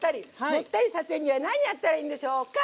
もったりさせるには何やったらいいんでしょうか？